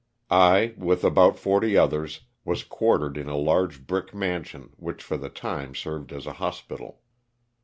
I, with about forty others, was quartered in a large brick mansion which for the time served as a hospital.